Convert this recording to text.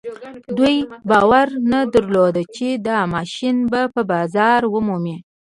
دوی باور نه درلود چې دا ماشين به بازار ومومي.